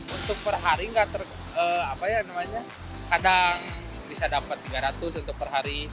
untuk perhari kadang bisa dapat rp tiga ratus untuk perhari